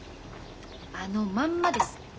あのまんまです。